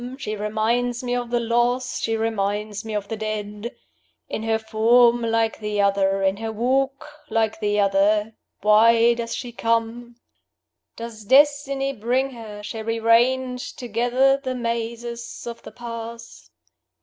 She reminds me of the lost; She reminds me of the dead: In her form like the other, In her walk like the other: Why does she come? "Does Destiny bring her? Shall we range together The mazes of the past?